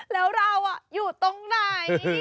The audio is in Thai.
แล้วเราอยู่ตรงไหน